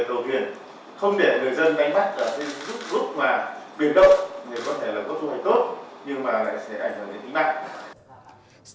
để người dân ngay mắt là sẽ giúp giúp mà biển động có thể là có thu hồi tốt nhưng mà lại sẽ ảnh hưởng đến tính mạng